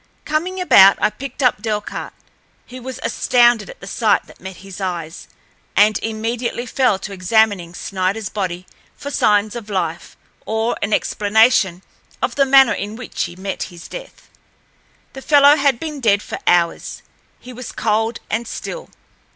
Coming about, I picked up Delcarte. He was astounded at the sight that met his eyes, and immediately fell to examining Sniderl's body for signs of life or an explanation of the manner in which he met his death. The fellow had been dead for hours—he was cold and still.